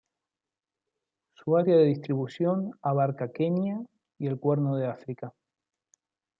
Su área de distribución abarca Kenia y el cuerno de África.